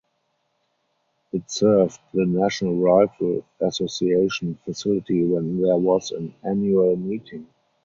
It served the National Rifle Association facility when there was an annual meeting.